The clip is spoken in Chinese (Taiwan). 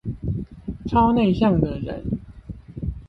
超內向的人